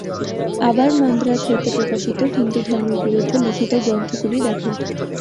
আবার মান্দ্রাজ হইতে প্রকাশিত, হিন্দুধর্মের বিরুদ্ধে লিখিত গ্রন্থগুলি দেখ।